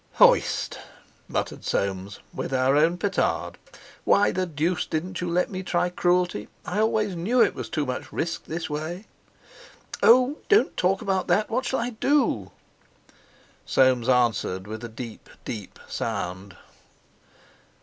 "Hoist," muttered Soames, "with our own petard. Why the deuce didn't you let me try cruelty? I always knew it was too much risk this way." "Oh! Don't talk about that! What shall I do?" Soames answered, with a deep, deep sound.